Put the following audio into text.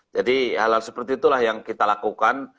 jadi hal hal seperti itulah yang kita lakukan